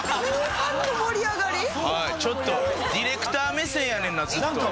ちょっとディレクター目線やねんなずっと。